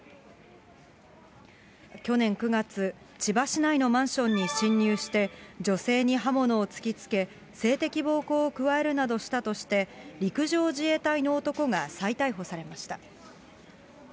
去年９月、千葉市内のマンションに侵入して、女性に刃物を突きつけ、性的暴行を加えるなどしたとして、陸上自衛隊の男が再逮捕されました。